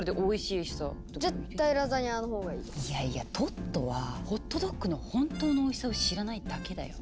いやいやトットはホットドッグの本当のおいしさを知らないだけだよ。